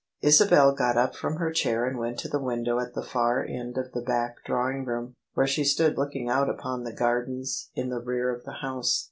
Isabel got up from her chair and went to the window at the far end of the back drawing room, where she stood look ing out upon the gardens in the rear of the house.